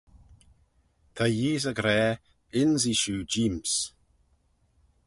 "Ta Yeesey gra ""ynsee shiu jeem's""."